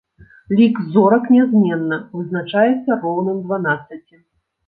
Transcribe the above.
Лік зорак нязменна, вызначаецца роўным дванаццаці.